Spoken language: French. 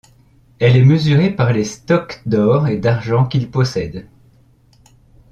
Elle est mesurée par les stocks d'or et d'argent qu'il possède.